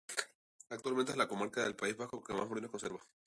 Actualmente, es la comarca del País Vasco que más molinos conserva.